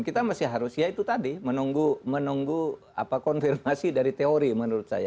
kita masih harus ya itu tadi menunggu konfirmasi dari teori menurut saya